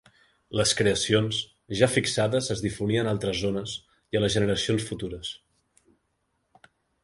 Les creacions, ja fixades es difonien a altres zones i a les generacions futures.